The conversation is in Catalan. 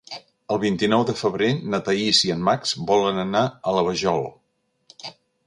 El vint-i-nou de febrer na Thaís i en Max volen anar a la Vajol.